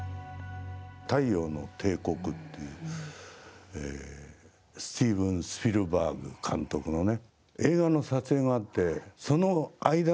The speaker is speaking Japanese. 太陽の帝国っていう、スティーブン・スピルバーグ監督のね。